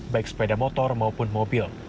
baik sepeda motor maupun mobil